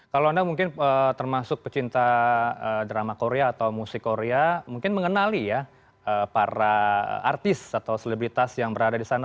kalau anda mungkin termasuk pecinta drama korea atau musik korea mungkin mengenali ya para artis atau selebritas yang berada di sana